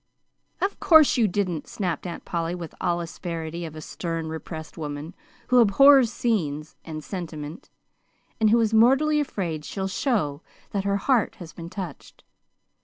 "Of course you didn't," snapped Aunt Polly, with all the asperity of a stern, repressed woman who abhors scenes and sentiment, and who is mortally afraid she will show that her heart has been touched.